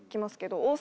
大阪！